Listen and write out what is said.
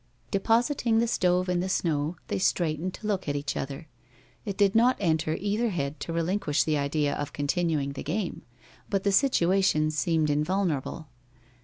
Depositing the stove in the snow, they straightened to look at each other. It did not enter either head to relinquish the idea of continuing the game. But the situation seemed invulnerable.